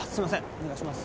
お願いします。